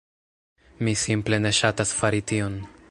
mi simple ne ŝatas fari tion.